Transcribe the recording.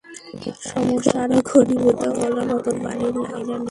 সমস্যা আরও ঘনীভূত হলো নতুন পানির লাইনের নির্মাণকাজ শেষ হওয়ার পর।